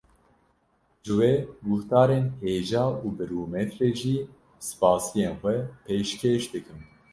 Ji we guhdarên hêja û bi rûmet re jî spasiyên xwe pêşkêş dikim